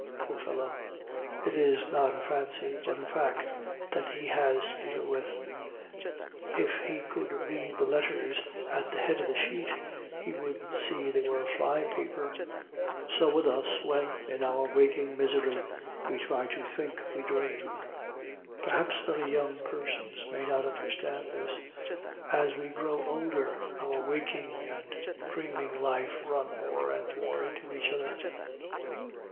Poor fellow! It is not a fancy, but a fact, that he has to deal with. If he could read the letters at the head of the sheet, he would see they were Fly Paper. So with us, when, in our waking misery, we try to think we dream! Perhaps very young persons may not understand this; as we grow older, our waking and dreaming life run more and more into each other.